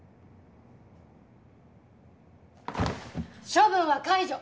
処分は解除！